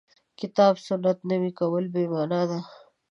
کتاب سنت نوي کول بې معنا ده.